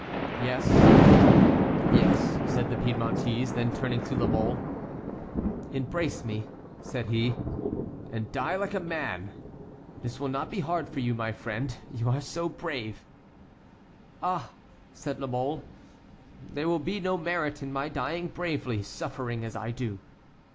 "Yes, yes," said the Piedmontese. Then turning to La Mole: "Embrace me," said he, "and die like a man. This will not be hard for you, my friend; you are so brave!" "Ah!" said La Mole, "there will be no merit in my dying bravely, suffering as I do."